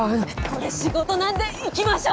これ仕事なんで行きましょう。